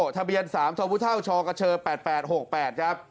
โทบุท่าวชอกเชอ๘๘๖๘ครับ